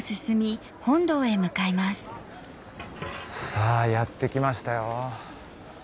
さぁやって来ましたよ。